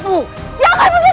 kau akan menang